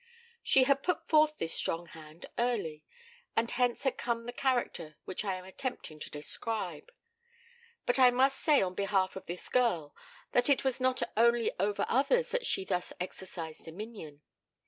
She had put forth this strong hand early, and hence had come the character which I am attempting to describe. But I must say on behalf of this girl that it was not only over others that she thus exercised dominion.